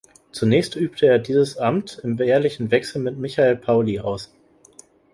Zunächst übte er dieses Amt im jährlichen Wechsel mit Michael Pauli aus.